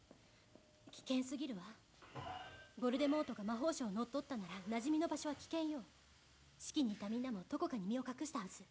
危険すぎるわヴォルデモートが魔法省を乗っ取ったならなじみの場所は危険よ式にいたみんなもどこかに身を隠したはず